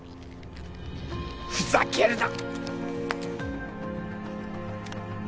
ふざけるな！